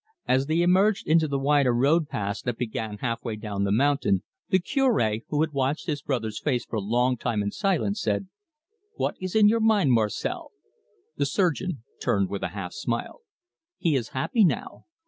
As they emerged into the wider road paths that began half way down the mountain, the Cure, who had watched his brother's face for a long time in silence, said: "What is in your mind, Marcel?" The surgeon turned with a half smile. "He is happy now.